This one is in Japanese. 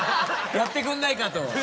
やってくんないか？と。